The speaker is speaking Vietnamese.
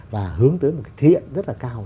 và hướng tới một cái thiện rất là cao